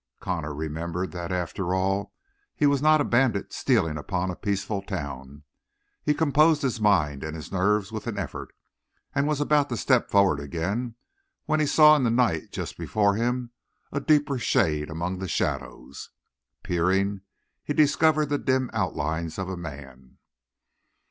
Connor remembered that after all he was not a bandit stealing upon a peaceful town; he composed his mind and his nerves with an effort, and was about to step forward again when he saw in the night just before him a deeper shade among the shadows. Peering, he discovered the dim outlines of a man.